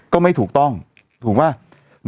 ก็ไม่ถูกต้องถูกป่ะ